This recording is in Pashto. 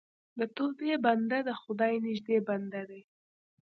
د توبې بنده د خدای نږدې بنده دی.